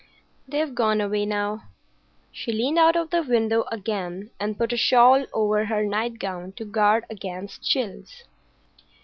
"They've gone away now." She leaned out of the window again, and put a shawl over her nightgown to guard against chills.